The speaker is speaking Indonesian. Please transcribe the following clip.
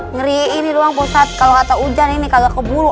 ngeri ini doang ustadz kalo kata hujan ini kagak keburu